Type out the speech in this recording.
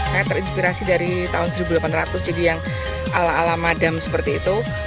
saya terinspirasi dari tahun seribu delapan ratus jadi yang ala ala madam seperti itu